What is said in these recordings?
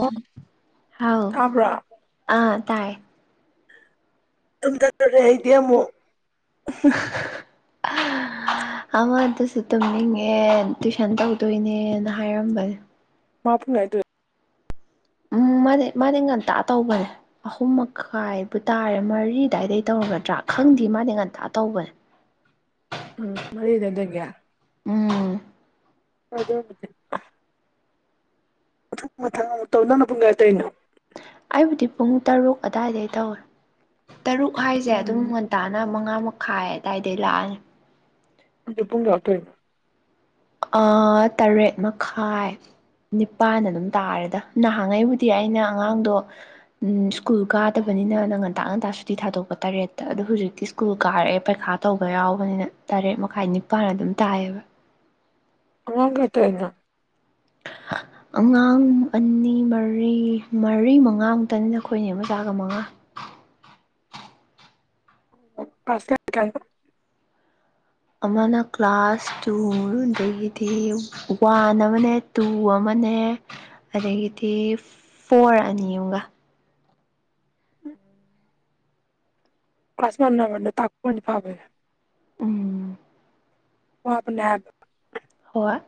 ꯑꯣ ꯍꯥꯎ ꯇꯥꯕ꯭ꯔꯥ ꯑꯥ ꯇꯥꯏ ꯇꯨꯝꯗꯇꯣꯔꯦ ꯑꯩꯗꯤ ꯑꯃꯨꯛ [unintelligible] ꯑꯃꯗꯨꯁꯨ ꯇꯨꯝꯅꯤꯡꯉꯦ ꯇꯨꯏꯁꯟ ꯇꯧꯗꯣꯏꯅꯦꯅ ꯍꯥꯏꯔꯝꯕꯅꯦ ꯃꯥ ꯄꯨꯡ [unintelligible] ꯎꯝ ꯃꯥꯅꯦ ꯃꯥꯅꯦ ꯉꯟꯇꯥ ꯇꯧꯕꯅꯦ ꯑꯍꯨꯝ ꯃꯈꯥꯏꯕꯨ ꯇꯥꯔꯦ ꯃꯔꯤ ꯑꯗꯥꯏꯗꯩ ꯇꯧꯒꯗ꯭ꯔꯥ ꯈꯪꯗꯦ ꯃꯥꯗꯤ ꯉꯟꯇꯥ ꯇꯧꯕꯅꯦ ꯃꯔꯤꯗ ꯗꯒꯤ ꯎꯝ ꯍꯣ ꯑꯗꯨꯕꯨꯗꯤ ꯃꯊꯪ ꯃꯊꯪ ꯑꯃꯨꯛ ꯇꯧ ꯅꯪꯅ ꯄꯨꯡꯀ꯭ꯌꯥ ꯇꯩꯩꯏꯅꯣ ꯑꯩꯕꯨꯗꯤ ꯄꯨꯡ ꯇꯔꯨꯛ ꯑꯗꯥꯏꯗꯩ ꯇꯧꯋꯦ ꯇꯔꯨꯛ ꯍꯥꯏꯁꯦ ꯑꯗꯨꯝ ꯎꯝ ꯉꯟꯇꯥꯅ ꯃꯉꯥꯃ ꯈꯥꯏ ꯑꯗꯥꯏꯗꯩ ꯂꯥꯛꯑꯅꯤ ꯑꯗꯨ ꯄꯨꯡꯒ꯭ꯌꯥ ꯇꯧꯏꯅꯣ ꯑ ꯇꯔꯦꯠ ꯃꯈꯥꯏ ꯅꯤꯄꯥꯥꯟ ꯑꯗꯨꯝ ꯇꯥꯔꯦꯗ ꯅꯍꯥꯟꯉꯩꯕꯨꯗꯤ ꯑꯩꯅ ꯑꯉꯥꯡꯗꯣ ꯁ꯭ꯀꯨꯜ ꯀꯥꯗꯕꯅꯤꯅ ꯅ ꯉꯟꯇꯥ ꯉꯟꯇꯥ ꯁꯨꯇꯤ ꯊꯥꯗꯣꯛꯄ ꯇꯔꯦꯠꯇ ꯑꯗꯣ ꯍꯨꯖꯤꯛꯇꯤ ꯁ꯭ꯀꯨꯜ ꯀꯥꯔꯛꯑꯦ ꯄꯩꯈꯥ ꯇꯧꯕ ꯌꯥꯎꯕꯅꯤꯅ ꯇꯔꯦꯠ ꯃꯈꯥꯏ ꯅꯤꯄꯥꯟ ꯑꯗꯨꯝ ꯇꯥꯏꯌꯦꯕ ꯑꯉꯥꯡ ꯀꯌꯥ ꯇꯧꯏꯅꯣ ꯍꯥ ꯑꯉꯥꯡ ꯑꯅꯤ ꯃꯔꯤ ꯃꯔꯤ ꯃꯉꯥꯃꯨꯛꯇꯅꯤꯗ ꯑꯈꯣꯏ ꯅꯦ ꯃꯆꯥꯒ ꯃꯉꯥ ꯀ꯭ꯂꯥꯁ ꯀꯌꯥ ꯀꯌꯥꯒꯤꯅꯣ ꯑꯃꯅ ꯀ꯭ꯂꯥꯁ ꯇꯨꯗꯒꯤꯗꯤ ꯋꯥꯟ ꯑꯃꯅꯦ ꯇꯨ ꯑꯃꯅꯦ ꯑꯗꯥꯒꯤꯗꯤ ꯐꯣꯔ ꯑꯅꯤ ꯑꯃꯒꯥ ꯀ꯭ꯂꯥꯁ ꯃꯥꯅꯕꯅ ꯇꯥꯛꯄꯥꯅꯗꯤ ꯐꯥꯕꯅꯦ ꯎꯝ꯫ ꯋꯥꯕꯅꯦ ꯍꯥꯏꯕ ꯍꯣꯏ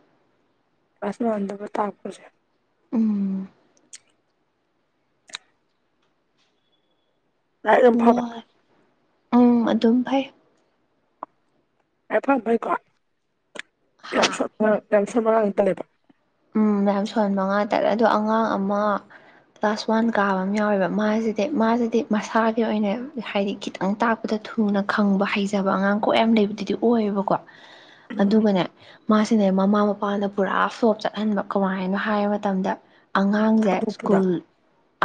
ꯀ꯭ꯂꯥꯁ ꯃꯥꯟꯗꯕ ꯇꯥꯛꯄꯥꯁꯦ ꯎꯝ꯫ ꯂꯥꯏꯔꯤꯛ ꯌꯥꯝ ꯐꯕ ꯋꯥꯏ ꯎꯝ ꯑꯗꯨꯝ ꯐꯩ ꯂꯥꯏꯔꯤꯛ ꯐꯕꯥꯅ ꯐꯩꯀꯣ ꯌꯥꯝ ꯍꯥ ꯁꯣꯟꯕ ꯌꯥꯝ ꯁꯣꯟꯕ ꯑꯉꯥꯡꯁꯤ ꯇꯟꯂꯦꯕ ꯎꯝ ꯃꯌꯥꯝ ꯁꯣꯟꯕ ꯑꯉꯥꯡ ꯇꯥꯂꯦ ꯑꯗꯣ ꯑꯉꯥꯡ ꯑꯃ ꯀ꯭ꯂꯥꯁ ꯋꯥꯟ ꯀꯥꯕ ꯑꯃ ꯌꯥꯎꯋꯦꯕ ꯃꯥꯁꯤꯗꯤ ꯃꯥꯁꯤꯗꯤ ꯃꯁꯥꯒꯤ ꯑꯣꯏꯅ ꯍꯥꯏꯗꯤ ꯈꯤꯇꯪ ꯇꯪ ꯇꯥꯛꯄꯗ ꯊꯨꯅ ꯈꯪꯕ ꯍꯩꯖꯕ ꯑꯉꯥꯡ ꯀꯣꯛ ꯌꯥꯝ ꯂꯩꯕꯗꯨꯗꯤ ꯑꯣꯏꯌꯦꯕꯀꯣ ꯎꯝ ꯑꯗꯨꯒꯅꯦ ꯃꯥꯁꯤꯅꯦ ꯃꯃꯥ ꯃꯄꯥꯅ ꯄꯨꯔꯥ ꯐ꯭ꯂꯣꯞ ꯆꯠ ꯍꯟꯕ ꯀꯃꯥꯏꯅ ꯍꯥꯏ ꯃꯇꯝꯗ ꯑꯉꯥꯡꯁꯦ ꯊꯥꯗꯣꯛꯄꯗ ꯁ꯭ꯀꯨꯜ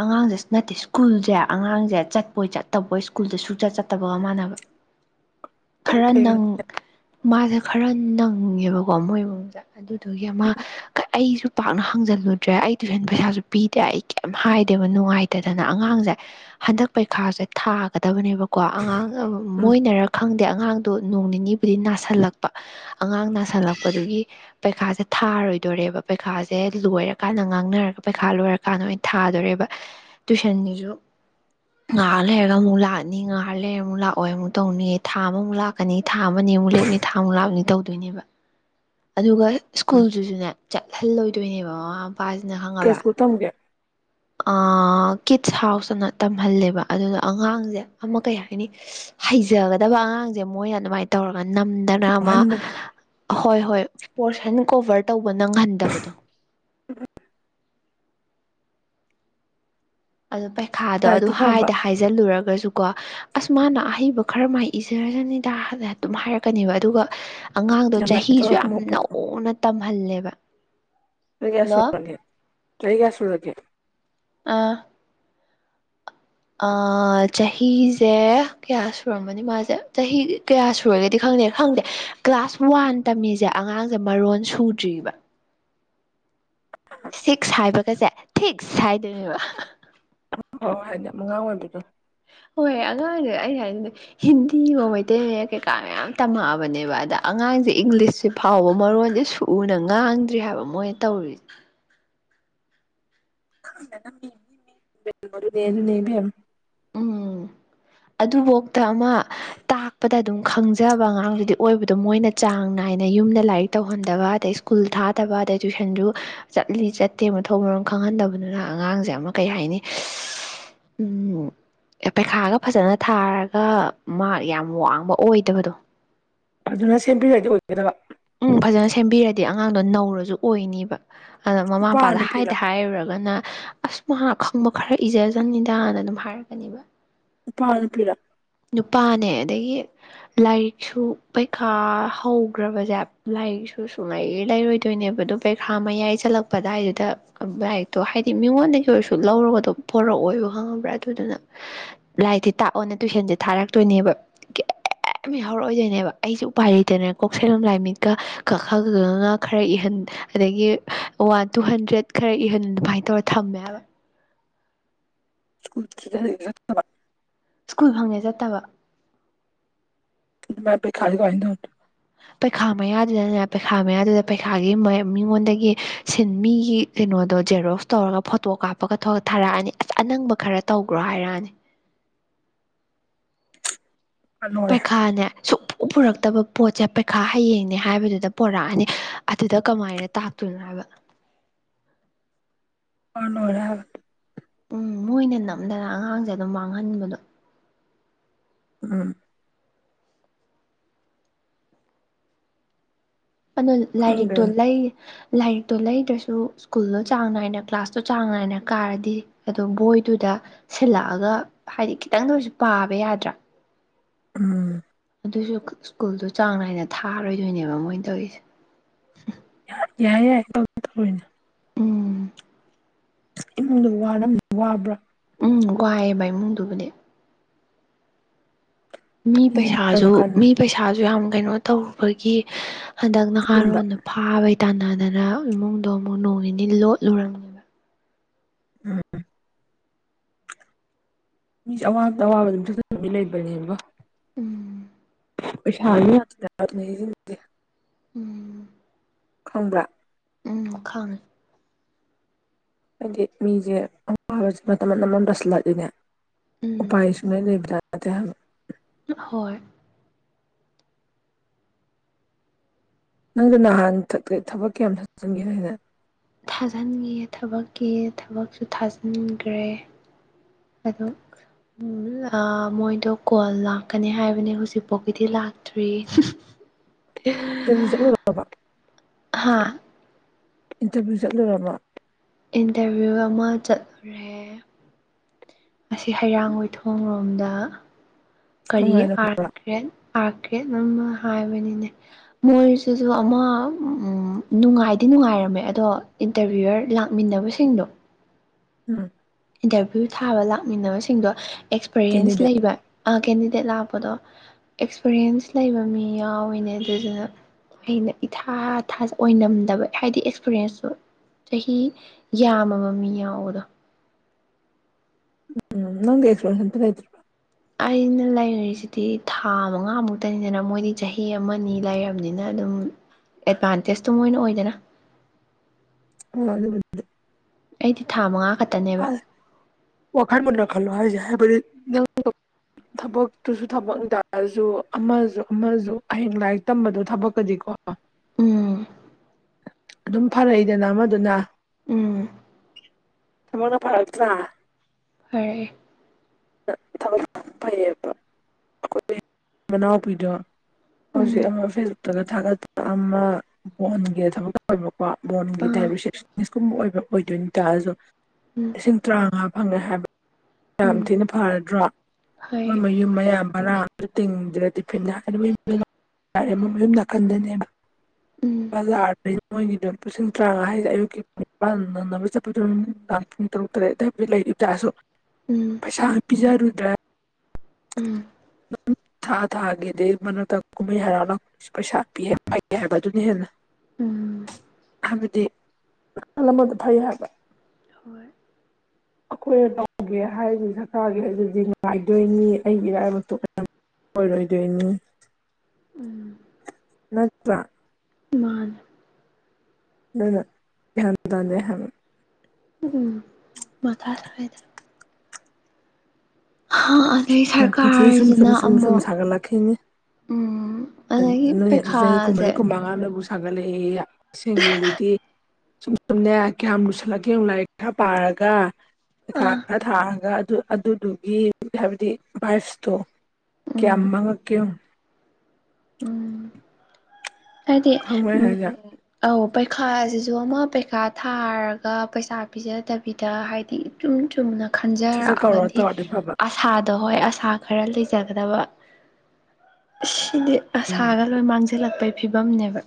ꯑꯉꯥꯡꯁꯦ ꯅꯠꯇꯦ ꯁ꯭ꯀꯨꯜꯁꯦ ꯑꯉꯥꯡꯁꯦ ꯆꯠꯄꯣꯏ ꯆꯠꯇꯕꯣꯏ ꯁ꯭ꯀꯨꯜꯖꯦ ꯁꯨꯛꯆꯠ ꯆꯠꯇꯕꯒ ꯃꯥꯟꯅꯕ ꯀꯩ ꯈꯔ ꯀꯩ ꯅꯪ ꯃꯥꯁꯦ ꯈꯔ ꯅꯪꯉꯦꯕꯀꯣ ꯃꯣꯏ ꯏꯃꯨꯡꯁꯦ ꯑꯗꯨꯗꯨꯒꯤ ꯑꯃ ꯑꯩꯁꯨ ꯄꯥꯛꯅ ꯍꯪꯖꯜꯂꯨꯗ꯭ꯔꯦ ꯑꯩ ꯇꯨꯏꯁꯟ ꯄꯩꯁꯥꯁꯨ ꯄꯤꯗꯦ ꯑꯩ ꯀꯩꯝ ꯍꯥꯏꯗꯦꯕ ꯅꯨꯡꯉꯥꯏꯇꯗꯅ ꯑꯉꯥꯡꯖꯦ ꯍꯟꯗꯛ ꯄꯩꯈꯥꯁꯦ ꯊꯥꯒꯗꯕꯅꯦꯕꯀꯣ ꯑꯉꯥꯡ ꯎꯝ ꯃꯣꯏꯅꯔ ꯈꯪꯗꯦ ꯑꯉꯥꯡꯗꯣ ꯅꯣꯡ ꯅꯤꯅꯤ ꯗꯤ ꯅꯥꯁꯤꯜꯂꯛꯄ ꯑꯉꯥꯡ ꯅꯥꯁꯤꯜꯂꯛꯄꯗꯨꯒꯤ ꯄꯩꯈꯥꯁꯦ ꯊꯥꯔꯣꯏ ꯗꯣꯔꯦꯕ ꯄꯩꯈꯥꯁꯦ ꯂꯣꯏꯔꯀꯥꯟꯗ ꯉꯥꯡꯅꯔꯒ ꯄꯩꯈꯥ ꯂꯣꯏꯔꯀꯥꯟꯗ ꯑꯣꯏꯅ ꯊꯥꯗꯣꯔꯦꯕ ꯇꯨꯢꯁꯟꯅꯤꯁꯨ ꯉꯍꯥꯛ ꯂꯩꯔꯒ ꯑꯃꯨꯛ ꯂꯥꯛꯑꯅꯤ ꯉꯍꯥꯛ ꯂꯩꯔꯒ ꯑꯃꯨꯛ ꯂꯥꯛꯑꯣꯏ ꯑꯃꯨꯛ ꯇꯧꯅꯤ ꯊꯥ ꯑꯃꯃꯨꯛ ꯂꯥꯛ ꯀꯅꯤ ꯊꯥ ꯑꯃ ꯅꯤ ꯑꯃꯨꯛ ꯂꯦꯞꯅꯤ ꯊꯥ ꯃꯨꯛ ꯂꯥꯞꯅꯤ ꯇꯧꯗꯣꯏꯅꯦꯕ ꯑꯗꯨꯒ ꯎꯝ ꯁ꯭ꯀꯨꯜꯁꯤꯁꯨꯅꯦ ꯏꯜꯂꯣꯏꯗꯣꯏꯅꯦꯕ ꯃꯃꯥ ꯃꯄꯥꯁꯤꯅ ꯀꯩ ꯈꯪꯉꯕ꯭ꯔꯥ ꯁ꯭ꯀꯨꯜ ꯇꯝꯒꯦ ꯑꯥ ꯑꯥ ꯀꯤꯠꯁ ꯍꯥꯎꯁ ꯍꯥꯏꯅ ꯇꯝꯍꯜꯂꯦꯕ ꯑꯗꯨꯅ ꯑꯉꯥꯡꯁꯦ ꯑꯃ ꯀꯩ ꯍꯥꯏꯅꯤ ꯍꯩꯖꯒꯗꯕ ꯑꯉꯥꯡꯁꯦ ꯃꯣꯏ ꯑꯗꯨꯃꯥꯏ ꯇꯧꯔꯒ ꯅꯝꯗꯅ ꯑꯃ ꯃꯣꯍꯟꯕꯗ ꯍꯣꯏ ꯍꯣꯏ ꯄꯣꯔꯁꯟ ꯀꯣꯚꯔ ꯇꯧ ꯋꯥ ꯅꯪꯍꯟꯗꯕꯗꯣ [inaudible] ꯑꯗꯨ ꯄꯩꯈꯥꯗꯣ ꯑꯗꯨ ꯂꯥꯏꯔꯤꯛꯇꯤ ꯐꯕ ꯍꯥꯏꯗ ꯍꯥꯏꯖꯤꯜꯂꯨꯔꯒꯁꯨ ꯀꯣ ꯑꯁ ꯃꯥꯅ ꯑꯍꯩꯕ ꯈꯔ ꯃꯥꯏ ꯏꯖꯔꯖꯅꯤꯗ ꯑꯗꯨꯝ ꯍꯥꯏꯔꯛꯀꯅꯤꯕ ꯑꯗꯨꯒ ꯑꯉꯥꯡꯗꯣ ꯌꯥꯝ ꯆꯍꯤꯁꯨ ꯂꯥꯏꯔꯤꯛꯇ ꯌꯥꯝ ꯍꯨꯝꯃꯛꯄꯗꯣ ꯅꯧꯅ ꯇꯝꯍꯜꯂꯦꯕ ꯅꫭꯏꯒꯤ ꯍꯜꯂꯣ ꯑꯁꫭꯏꯕꯅꯦ ꯆꯍꯤ ꯀꯌꯥ ꯁꯨꯔꯒꯦ ꯑꯥ ꯑꯥ ꯆꯍꯤꯁꯦ ꯀꯌꯥ ꯁꯨꯔꯝꯃꯅꯤ ꯃꯥꯁꯦ ꯆꯍꯤ ꯀꯌꯥ ꯁꯨꯔꯒꯦꯗꯤ ꯈꯪꯗꯦ ꯈꯪꯗꯦ ꯀ꯭ꯂꯥꯁ ꯋꯥꯟ ꯇꯝꯃꯤꯁꯦ ꯑꯉꯥꯡꯁꯦ ꯃꯔꯣꯟ ꯁꯨꯗ꯭ꯔꯤꯕ꯫ Six ꯍꯥꯏꯕꯒꯁꯦ fix ꯍꯥꯏꯗꯣꯏꯅꯦꯕ꯫ ꯍꯣ ꯍꯥꯏꯗꯤ ꯌꯥꯝ ꯑꯉꯥꯡ ꯑꯣꯏꯕꯗꯣ ꯍꯣꯏ ꯑꯉꯥꯡꯅꯦ ꯑꯩ ꯍꯥꯏꯖꯤꯅꯤ ꯍꯤꯟꯗꯤꯑꯣ ꯃꯩꯇꯩ ꯃꯌꯦꯛ ꯀꯩꯀꯥ ꯃꯌꯥꯝ ꯇꯝꯃꯛꯑꯕꯅꯦꯕ ꯑꯗ ꯑꯉꯥꯡꯁꯦ ꯏꯪꯂꯤꯁꯁꯤ ꯐꯥꯎꯕ ꯃꯔꯣꯟꯖꯤ ꯁꯨꯅ ꯉꯥꯡꯗ꯭ꯔꯤ ꯍꯥꯏꯕ ꯃꯣꯏ ꯇꯧꯔꯤ [unintelligible] ꯑꯗꯨꯅꯦ ꯑꯗꯨꯅꯦ ꯏꯕꯦꯝ ꯑꯗꯨꯕꯣꯛꯇ ꯑꯃ ꯇꯥꯛ ꯇꯥꯛꯄꯗ ꯑꯗꯨꯝ ꯈꯪꯖꯕ ꯑꯉꯥꯡꯗꯨꯗꯤ ꯑꯣꯏꯕꯗꯣ ꯃꯣꯏꯅ ꯆꯥꯡ ꯅꯥꯏꯅ ꯌꯨꯝꯗ ꯂꯥꯏꯔꯤꯛ ꯇꯧꯍꯟꯗꯕ ꯑꯗꯩ ꯁ꯭ꯀꯨꯜ ꯊꯥꯗꯕ ꯑꯗꯩ ꯇꯨꯢꯁꯟꯖꯨ ꯆꯠꯂꯤ ꯆꯠꯇꯦ ꯃꯊꯣꯡ ꯃꯔꯝ ꯈꯪꯍꯟꯗꯕꯗꯨꯅ ꯑꯉꯥꯡꯖꯦ ꯑꯃ ꯀꯩ ꯍꯥꯏꯅꯤ ꯎꯝ ꯑꯦ ꯄꯩꯈꯥꯒꯞ ꯐꯖꯅ ꯊꯥꯔꯒ ꯃꯥꯔ꯭ꯛ ꯌꯥꯝ ꯋꯥꯡꯕ ꯑꯣꯏꯗꯕꯗꯣ ꯐꯖꯅ ꯁꯦꯝꯕꯤꯔꯗꯤ ꯑꯣꯏꯒꯗꯕ ꯎꯝ ꯐꯖꯅ ꯁꯦꯝꯕꯤꯔꯗꯤ ꯑꯉꯥꯡꯗꯣ ꯅꯧꯔꯖꯨ ꯑꯣꯏꯅꯤꯕ꯫ ꯑꯗ ꯃꯃꯥ ꯅꯨꯄꯥꯔ ꯃꯄꯥꯗ ꯅꯨꯄꯤꯔ ꯍꯥꯏꯗ ꯍꯥꯏꯔꯨꯔꯒꯅ ꯑꯁ ꯃꯥ ꯈꯪꯕ ꯈꯔ ꯏꯖꯖꯅꯤꯗꯥꯅ ꯑꯗꯨꯝ ꯍꯥꯏꯔꯛꯀꯤꯅꯤꯕ꯫ ꯅꯨꯄꯥꯔꯥ ꯅꯨꯄꯤꯔꯥ? ꯅꯨꯄꯥꯅꯦ ꯑꯗꯒꯤ ꯂꯥꯏꯔꯤꯛꯁꯨ ꯄꯩꯈꯥ ꯍꯧꯒ꯭ꯔꯕꯖꯦ ꯂꯥꯏꯔꯤꯛꯁꯨ ꯁꯨꯡꯂꯩ ꯂꯩꯔꯣꯏꯗꯣꯏꯅꯦꯕ ꯑꯗꯨꯒ ꯄꯩ ꯊꯥ ꯃꯌꯥꯏ ꯆꯜꯂꯛꯄ ꯑꯗꯥꯏꯗꯨꯗ ꯂꯥꯏꯔꯤꯛꯇꯣ ꯍꯥꯏꯗꯤ ꯃꯤꯉꯣꯟꯗꯒꯤ ꯑꯣꯏꯔꯁꯨ ꯂꯧꯔꯒꯗꯣ ꯄꯣꯔꯛꯑꯣꯏꯕ ꯈꯪꯉꯕ꯭ꯔꯥ ꯑꯗꯨꯗꯨꯅ ꯂꯥꯏꯔꯤꯛꯇꯤ ꯇꯥꯛꯑꯣꯅ ꯇꯨꯏꯁꯟꯁꯦ ꯊꯥꯔꯛꯇꯣꯏꯅꯦꯕ ꯀꯩ ꯀꯩꯝ ꯌꯥꯎꯔꯛ ꯑꯣꯏꯗꯣꯏ ꯅꯦꯕ ꯑꯩꯁꯨ ꯎꯄꯥꯏ ꯂꯩꯇꯅ ꯀꯣꯛ ꯁꯝ ꯂꯥꯏ ꯃꯤꯠꯀ ꯀꯥ ꯈꯥ ꯒꯥ ꯒꯍꯥ ꯉꯥ ꯈꯔ ꯏꯍꯟ ꯑꯗꯒꯤ ꯋꯥꯟ ꯇꯨ ꯍꯟꯗ꯭ꯔꯦꯗ ꯈꯔ ꯏꯍꯟ ꯑꯗꯨꯃꯥꯏꯅ ꯇꯧꯔ ꯊꯝꯃꯦ ꯍꯥꯏꯕ꯫ [unintelligible] ꯁ꯭ꯀꯨꯜ ꯐꯪꯉꯦ ꯆꯠꯇꯕ ꯑꯗ ꯃꯥ ꯄꯩꯈꯥꯗꯤ ꯀꯃꯥꯏ ꯇꯧꯅꯤ? ꯄꯩꯈꯥ ꯃꯌꯥꯗꯨꯗꯅꯦ ꯄꯩꯈꯥ ꯃꯌꯥꯗꯨꯗ ꯄꯩꯈꯥꯒꯤ ꯃꯤꯉꯣꯟꯗꯒꯤ ꯁꯤꯟ ꯃꯤꯒꯤ ꯀꯩꯅꯣꯗꯣ ꯖꯦꯔꯣꯁ ꯇꯧꯔꯒ ꯐꯣꯇꯣ ꯀꯥꯞꯄꯒ ꯊꯥꯔꯛ ꯑꯅꯤ ꯑꯁ ꯑꯅꯪꯕ ꯈꯔ ꯇꯧꯈ꯭ꯔꯣ ꯍꯥꯏꯔꯛ ꯑꯅꯤ꯫ ꯄꯥ ꯂꯣꯏꯔꯦ ꯄꯩꯈꯥꯅꯦ ꯁꯨꯛ ꯄꯨꯔꯛꯇꯕ ꯄꯣꯠꯁꯦ ꯄꯩꯈꯥ ꯍꯌꯦꯡꯅꯦ ꯍꯥꯏꯕꯗꯨꯗ ꯄꯨꯣꯔꯛꯑꯅꯤ ꯑꯗꯨꯗ ꯀꯃꯥꯏꯅ ꯇꯥꯛꯇꯣꯏꯅꯣ ꯍꯥꯏꯕ꯫ [unintelligible] ꯎꯝ ꯃꯣꯏꯅ ꯅꯝꯗꯅ ꯑꯉꯥꯡꯖꯦ ꯑꯗꯨꯝ ꯃꯥꯡꯍꯟꯕꯗꯣ ꯎꯝ ꯑꯅ ꯈꯪꯗꯦ ꯂꯥꯏꯔꯤꯛꯇꯣ ꯂꯩ ꯂꯥꯏꯔꯤꯛꯇꯣ ꯂꯩꯗ꯭ꯔꯁꯨ ꯁ꯭ꯀꯨꯜꯗꯣ ꯆꯥꯡ ꯅꯥꯏꯅ ꯀ꯭ꯂꯥꯁꯇꯣ ꯆꯥꯡ ꯅꯥꯏꯅ ꯀꯥꯔꯗꯤ ꯑꯗꯣ ꯕꯣꯏꯗꯨꯗ ꯁꯤꯜꯂꯛꯑꯒ ꯍꯥꯏꯗꯤ ꯈꯤꯇꯪꯗ ꯑꯣꯏꯁꯨ ꯄꯥꯕ ꯌꯥꯗ꯭ꯔꯥ꯫ ꯎꯝ ꯑꯗꯨꯁꯨ ꯁ꯭ꯀꯨꯜꯗꯣ ꯆꯥꯡ ꯅꯥꯏꯅ ꯊꯥꯔꯣꯏ ꯗꯣꯏꯅꯦꯕ ꯃꯣꯏꯅ ꯇꯧꯔꯤꯁꯦ꯫ ꯌꯥꯏ ꯌꯥꯏ [unintelligible] ꯎꯝ ꯏꯃꯨꯡꯗꯣ ꯋꯥꯔꯝ ꯋꯥꯕ꯭ꯔꯥ? ꯎꯝ ꯋꯥꯏꯌꯦꯕ ꯏꯃꯨꯡꯗꯨꯕꯨꯗꯤ ꯃꯤ ꯃꯤꯁꯦ ꯃꯈꯜ ꯄꯩꯁꯥꯖꯨ ꯃꯈꯜ ꯃꯤ ꯄꯩ ꯁꯥꯖꯨ ꯌꯥꯝ ꯀꯩꯅꯣ ꯇꯧꯔꯨꯕꯒꯤ ꯍꯟꯗꯛ ꯂꯣꯟꯕ ꯅꯍꯥꯔꯣꯟꯅ ꯐ ꯐꯥꯕꯩ ꯇꯥꯟꯅꯗꯅ ꯏꯃꯨꯡꯗꯣ ꯑꯃꯨꯛ ꯅꯣꯡ ꯅꯤꯅꯤ ꯂꯣꯠꯂꯨꯔꯝꯅꯤ ꯎꯝ ꯃꯤꯁꯦ ꯑꯋꯥꯕꯗ ꯑꯋꯥꯕ ꯑꯗꯨꯝ [unintelligible] ꯂꯩꯕꯅꯤꯕꯣ ꯎꯝ ꯄꯩꯁꯥꯖꯨ ꯌꯥꯝꯅ [unintelligible] ꯑꯗꯨꯕꯨꯗꯤ ꯎꯝ ꯈꯪꯕ꯭ꯔꯥ ꯎꯝ ꯈꯪꯉꯦ ꯍꯥꯏꯗꯤ ꯃꯤꯖꯦ ꯑꯋꯥꯕꯁꯦ ꯃꯅꯝ ꯃꯅꯝ ꯇꯁꯤꯜꯂꯛ ꯑꯗꯤꯅꯦ ꯎꯝ ꯎꯄꯥꯏ ꯁꯨꯡꯂꯩ ꯂꯩꯕ ꯖꯠ ꯅꯠꯇꯦ ꯍꯥꯏꯕ ꯍꯣꯏ ꯅꯪꯗꯤ ꯅꯍꯥꯟ [unintelligible] ꯊꯕꯛꯀꯤ ꯌꯥꯝ ꯊꯖꯥꯟꯒꯤꯗꯥꯏꯅꯦ ꯊꯥꯖꯤꯟꯒꯤꯌꯦ ꯊꯕꯛꯀꯤ ꯊꯕꯛꯁꯨ ꯊꯥꯖꯤꯟꯒ꯭ꯔꯦ ꯑꯗꯨ ꯎꯝ ꯑꯥ ꯃꯣꯏꯗꯣ ꯀꯣꯜ ꯂꯥꯛꯀꯅꯤ ꯍꯥꯏꯕꯅꯦꯕ ꯍꯧꯖꯤꯛ ꯄꯣꯛꯀꯤꯗꯤ ꯂꯥꯛꯇ꯭ꯔꯤ [inaudible] ꯏꯟꯇꯔꯚꯤꯌꯨ ꯆꯠꯂꯨꯔꯕꯣ ꯍꯥ ꯏꯟꯇꯔꯚꯤꯌꯨ ꯆꯠꯂꯨꯔꯕꯣ ꯏꯟꯇꯔꯚꯤꯌꯨ ꯑꯃ ꯆꯠꯂꯨꯔꯦ ꯉꯁꯤ ꯍꯩꯔꯥꯡꯒꯣꯏ ꯊꯣꯡ ꯔꯣꯝꯗ ꯀꯔꯤ ꯑꯥꯔꯠ ꯅꯨꯡꯉꯥꯏꯔꯕ꯭ꯔꯥ ꯔꯦꯠ ꯑꯥꯔ ꯀ꯭ꯔꯦꯠ ꯑꯃ ꯍꯥꯏꯕꯅꯤꯅꯦ ꯃꯣꯏꯁꯤꯁꯨ ꯑꯃ ꯎꯝ ꯅꯨꯡꯉꯥꯏꯗꯤ ꯅꯨꯡꯉꯥꯏꯔꯝꯃꯦ ꯑꯗꯣ ꯏꯟꯇꯔꯚꯤꯌꯨꯌꯔ ꯂꯥꯛꯃꯤꯟꯅꯕꯁꯤꯡꯗꯣ ꯎꯝ ꯏꯟꯇꯔꯚ꯭ꯌꯨ ꯊꯥꯕ ꯂꯥꯛꯃꯤꯟꯅꯕꯁꯤꯡꯗꯣ ꯑꯦꯛꯁꯄꯔꯤꯌꯦꯟꯁ ꯀꯦꯟꯗꯤꯗꯦꯠ ꯂꯩꯕ ꯑ ꯀꯦꯟꯗꯤꯗꯦꯠ ꯂꯥꯛꯄꯗꯣ ꯑꯦꯛꯁꯄꯔꯤꯌꯦꯟꯁ ꯂꯩꯕ ꯃꯤ ꯌꯥꯎꯋꯤꯅꯦ ꯑꯗꯨꯗꯨꯅ ꯑꯩꯅ ꯏꯊꯥ ꯊꯖ ꯑꯣꯏꯅꯝꯗꯕ ꯍꯥꯏꯗꯤ ꯑꯦꯛꯁꯄꯤꯔꯤꯟꯁꯁꯨ ꯆꯍꯤ ꯌꯥꯝꯃꯕ ꯃꯤ ꯌꯥꯎꯕꯗꯣ ꯎꯝ ꯅꯪꯗꯤ ꯑꯦꯛꯁꯄꯤꯔꯦꯟꯁ ꯑꯝꯇ ꯂꯩꯇꯔꯣ ꯑꯩꯅ ꯂꯩꯔꯤꯁꯤꯗꯤ ꯊꯥ ꯃꯉꯥ ꯃꯨꯛꯇꯅꯤꯗꯅ ꯃꯣꯏꯗꯤ ꯆꯍꯤ ꯑꯃꯅꯤ ꯂꯩꯔꯕꯅꯤꯅ ꯑꯗꯨꯝ ꯑꯦꯗꯚꯥꯟꯇꯦꯖꯇꯣ ꯃꯣꯏꯅ ꯑꯣꯏꯗꯅ ꯍꯣꯏ ꯑꯗꯨꯕꯨ ꯑꯩꯗꯤ ꯊꯥ ꯃꯉꯥ ꯈꯠ ꯑꯁ ꯋꯥꯈꯜ ꯃꯨꯟꯅ ꯈꯜꯂꯣ ꯍꯥꯏꯖꯤ ꯍꯥꯏꯕꯗꯤ ꯅꯪ [unintelligible] ꯊꯕꯛꯇꯨꯖꯨ ꯊꯕꯛ ꯇꯥꯔꯖꯨ ꯑꯃꯖꯨ ꯑꯃꯖꯨ ꯍꯌꯦꯡ ꯂꯥꯏꯔꯤꯛ ꯇꯝꯕꯗꯣ ꯊꯕꯛꯀꯗꯤꯀꯣ ꯎꯝ ꯑꯗꯨꯝ ꯐꯔꯛꯏꯗꯅ ꯑꯃꯗꯨꯅ ꯎꯝ ꯊꯕꯛꯅ ꯐꯔꯛꯇ꯭ꯔꯥ ꯐꯔꯛꯑꯦ ꯈꯔ ꯊꯕꯛ ꯐꯩꯌꯦꯕ ꯑꯩꯈꯣꯏ ꯃꯅꯥꯎꯄꯤꯗꯣ ꯍꯧꯖꯤꯛ ꯎꯝ ꯑꯃ ꯐꯦꯁ ꯇꯒ ꯊꯥꯒꯠꯄ ꯑꯃ ꯃꯣꯟꯒꯤ ꯊꯕꯛ ꯇꯧꯋꯦꯕꯀꯣ ꯃꯣꯟꯒꯤ ꯑꯥ ꯗꯥꯏꯕꯔꯁꯤꯛꯁ ꯃꯤꯁ ꯀꯨꯝꯕ ꯑꯣꯏꯕ ꯑꯣꯏꯗꯣꯏꯅꯦ ꯇꯥꯔꯁꯨ ꯎꯝ ꯂꯤꯁꯤꯡ ꯇꯔꯥꯉꯥ ꯐꯪꯉꯦ ꯍꯥꯏꯕ ꯌꯥꯝ ꯎꯝ ꯊꯤꯅ ꯐꯔꯗ꯭ꯔꯥ ꯍꯣꯏ ꯃꯣꯏ ꯃꯌꯨꯝ ꯃꯌꯥꯝ ꯕꯔꯥ ꯇꯤꯡꯗ꯭ꯔꯗꯤ ꯐꯩꯅ [unintelligible] ꯃꯌꯨꯝ ꯅꯥꯀꯟꯗꯅꯦꯕ ꯎꯝ ꯃ ꯂꯥꯔꯗꯤ ꯃꯣꯏꯒꯤꯗꯣ ꯂꯤꯁꯤꯡ ꯇꯔꯥꯉꯥ ꯍꯥꯏꯖꯦ ꯑꯌꯨꯛꯀꯤ ꯄꯨꯡ ꯅꯤꯄꯥꯜ ꯅꯪꯕ ꯆꯠꯄꯗꯨ ꯅꯨꯡꯗꯥꯡ ꯄꯨꯡ ꯇꯔꯨꯛ ꯇꯔꯦꯠ ꯑꯗꯨ ꯂꯩꯔꯤ ꯇꯥꯔꯁꯨ ꯎꯝ ꯄꯩꯁꯥ ꯄꯤꯖꯔꯨꯗ꯭ꯔꯥ ꯎꯝ [unintelligible] ꯊꯥ ꯊꯥꯒꯤ ꯑꯗꯩ [unintelligible] ꯀꯨꯝꯍꯩ ꯍꯔꯥꯎ ꯄꯩꯁꯥ ꯄꯤꯑꯦꯝ ꯐꯩ ꯍꯥꯏꯕ ꯑꯗꯨꯅ ꯍꯦꯟꯅ ꯎꯝ ꯍꯥꯏꯕꯗꯤ ꯅꯥꯀꯜ ꯑꯃꯗ ꯊꯩ ꯍꯥꯏꯕ ꯍꯣꯏ ꯑꯩꯈꯣꯏꯅ ꯇꯧꯒꯦ ꯍꯥꯏꯁꯤ ꯁꯔꯀꯥꯔꯒꯤ ꯍꯥꯏꯗꯨꯗꯤ ꯅꯨꯉꯥꯏꯗꯣꯏꯅꯤ ꯑꯩꯒꯤ ꯏꯔꯥꯏꯕꯛ [unintelligible] ꯑꯣꯏꯔꯣꯏꯗꯣꯏꯅꯤ ꯎꯝ ꯅꯠꯇ꯭ꯔꯥ ꯃꯥꯅꯦ ꯑꯗꯨꯅ ꯒ꯭ꯌꯥꯟ ꯇꯥꯗꯦ ꯍꯥꯏꯕ ꯎꯝ ꯃꯊꯥ ꯁꯥꯏꯗ ꯍ ꯑꯗꯩ ꯄꯨꯟꯁꯤ ꯁꯨꯝ ꯁꯨꯝ ꯁꯔꯀꯥꯔꯖꯤꯅ ꯁꯨꯝ ꯁꯨꯝ ꯑꯃꯨꯛ ꯁꯥꯒꯠꯂꯛꯈꯤꯅꯤ ꯎꯝ ꯑꯗꯒꯤ [unintelligible] ꯅꯣꯏ ꯆꯍꯤ ꯀꯨꯝꯃꯔꯤ ꯄꯩꯈꯥꯁꯦ ꯀꯨꯟꯃꯉꯥꯅꯕꯨ ꯁꯒꯥꯠꯂꯛꯑꯦꯌꯦ ꯁꯤꯃꯨꯂꯤꯇꯤ ꯁꯨꯝ ꯁꯨꯝꯅꯦ ꯀꯌꯥꯝ ꯂꯨꯁꯤꯜꯂꯛꯑꯒꯦ ꯌꯦꯡꯉꯣ ꯂꯥꯥꯏꯔꯤꯛ ꯈꯔꯥ ꯄꯥꯔꯒ ꯄꯩꯈꯥ ꯑꯥ ꯈꯔꯥ ꯊꯥꯔꯉꯒ ꯑꯗꯨ ꯑꯗꯨꯗꯨꯒꯤ ꯍꯥꯏꯕꯗꯤ ꯚ꯭ꯔꯥꯁꯕꯇꯣ ꯀꯌꯥꯝ ꯎꯝ ꯃꯥꯡꯉꯛꯀꯦ ꯌꯦꯡꯉꯨ ꯎꯝ ꯍꯥꯏꯗꯤ ꯈꯪꯕ꯭ꯔꯥ ꯑꯩ ꯎꯝ ꯍꯥꯏꯁꯦ ꯑꯧ ꯄꯩꯈꯥꯁꯤꯁꯨ ꯑꯃ ꯄꯩꯈꯥ ꯊꯥꯔꯒ ꯄꯩꯁꯥ ꯄꯤꯖꯗꯕꯤꯗ ꯍꯥꯏꯗꯤ ꯆꯨꯝ ꯆꯨꯝꯅ ꯁꯠ ꯁꯠ ꯀꯧꯔ ꯈꯟꯖꯔꯛꯑꯒꯗꯤ ꯇꯧꯔꯗꯤ ꯐꯕ ꯑꯁꯥꯗꯣ ꯍꯣꯏ ꯑꯁꯥ ꯈꯔ ꯂꯩꯖꯒꯗꯕ ꯑꯁ ꯁꯤꯗꯤ ꯎꯝ ꯑꯁꯥꯒ ꯂꯣꯏ ꯃꯥꯡꯁꯤꯜꯂꯛꯄꯩ ꯐꯤꯕꯝꯅꯦꯕ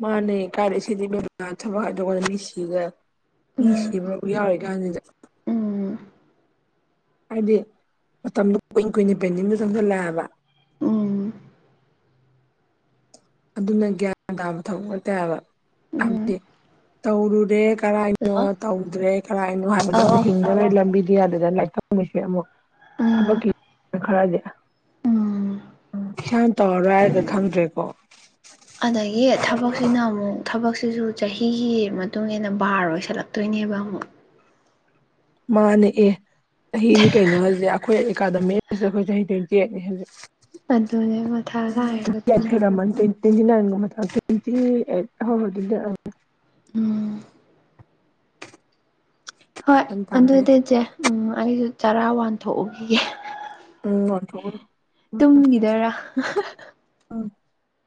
ꯃꯥꯅꯦ ꯀꯥꯏꯗꯩ ꯁꯤꯗꯤ [unintelligible] ꯊꯕꯛ ꯍꯥꯏꯗꯣꯔꯛꯑꯒ ꯃꯤꯁꯤꯒ ꯎꯝ ꯃꯤꯁꯤꯕ ꯌꯥꯎꯔꯤ ꯀꯥꯟꯁꯤꯗ ꯎꯝ ꯍꯥꯏꯗꯤ ꯃꯇꯝꯗꯣ ꯀꯨꯏ ꯀꯨꯏꯅ ꯄꯦꯟꯗꯤꯡꯒ ꯆꯪꯁꯤꯜꯂꯛꯑꯕ ꯎꯝ ꯑꯗꯨꯅ ꯒ꯭ꯌꯥꯟ ꯇꯥꯕ ꯊꯕꯛ ꯅꯠꯇꯦ ꯍꯥꯏꯕ ꯎꯝ ꯍꯥꯏꯕꯗꯤ ꯇꯧꯔꯨꯔꯦ ꯀꯔꯥꯏꯅꯣ ꯍꯜꯂꯣ ꯇꯧꯗ꯭ꯔꯦ ꯀꯔꯥꯏꯅꯣ ꯍꯥꯏꯕꯗꯣ ꯑꯧ ꯑꯧ ꯍꯤꯡꯕꯒꯤ ꯂꯝꯕꯤꯗꯨ [unintelligible] ꯐꯪꯉꯤꯁꯦ ꯑꯃꯨꯛ ꯎꯝ ꯊꯕꯛꯀꯤ ꯈꯔꯗꯤ ꯎꯝ ꯎꯝ ꯏꯁꯥꯅ ꯇꯧꯔꯔꯣꯏ ꯍꯥꯏꯔꯗꯤ ꯈꯪꯗ꯭ꯔꯦꯀꯣ ꯑꯗꯒꯤ ꯊꯕꯛꯁꯤꯅ ꯑꯃꯨꯛ ꯊꯕꯛꯁꯤꯁꯨ ꯆꯍꯤꯒꯤ ꯃꯇꯨꯡ ꯏꯟꯅ ꯕꯥꯔ ꯑꯣꯏꯁꯜꯂꯛꯇꯣꯏꯅꯦꯕ ꯑꯃꯨꯛ ꯃꯥꯅꯦ ꯑꯦ ꯆꯍꯤꯅꯤ ꯀꯩꯅꯣ ꯍꯧꯖꯤꯛ ꯑꯩꯈꯣꯏ ꯑꯦꯀꯥꯗꯃꯤ ꯑꯩꯈꯣꯏ ꯆꯍꯤ ꯇ꯭ꯋꯦꯟꯇꯤ ꯑꯩꯠꯅꯤ ꯑꯗꯨꯅꯦ ꯃꯊꯥ ꯁꯥꯏꯌꯦꯕ ꯍꯧꯖꯤꯛ ꯑꯗꯨꯅ [unintelligible] ꯇ꯭ꯋꯦꯟꯇꯤ ꯅꯥꯏꯟꯒꯨꯝꯕ ꯐꯥꯔꯦ ꯇ꯭ꯋꯦꯟꯇꯤ ꯑꯩꯠ [unintelligible] ꯎꯝ ꯍꯣꯏ ꯒ꯭ꯌꯥꯟ ꯇꯥꯗꯦ ꯑꯗꯨꯗꯤ ꯆꯦ ꯎꯝ ꯑꯩꯁꯨ ꯆꯥꯔꯥ ꯋꯥꯟꯊꯣꯛꯎꯈꯤꯒꯦ ꯎꯝ ꯋꯥꯟꯊꯣꯛꯎꯔꯣ ꯇꯨꯝꯈꯤꯗꯣꯏꯔꯣ ꯎꯝ